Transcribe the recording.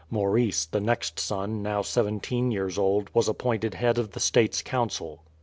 Maurice, the next son, now seventeen years old, was appointed head of the States Council.